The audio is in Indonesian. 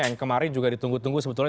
yang kemarin juga ditunggu tunggu sebetulnya